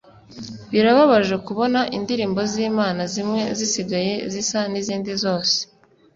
Birababaje kubona indirimbo z’Imana zimwe zisigaye zisa n’izindi zose